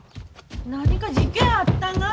何か事件あったが？